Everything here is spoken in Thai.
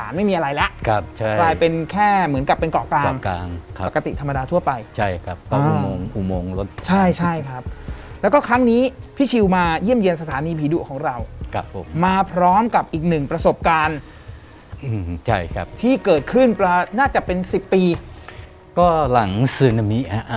แล้วแต่ทีมงานนะทีมงานเราคนนึงจับไปแล้ว